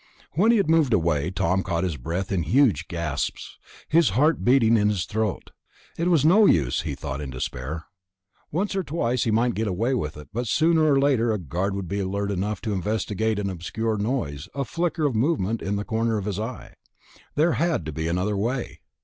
When he had moved away Tom caught his breath in huge gasps, his heart beating in his throat. It was no use, he thought in despair. Once or twice he might get away with it, but sooner or later a guard would be alert enough to investigate an obscure noise, a flicker of movement in the corner of his eye.... There had to be another way.